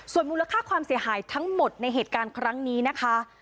ส่วนมูลค่าความเสียหายทั้งหมดในเหตุการณ์ครั้งนี้นะคะ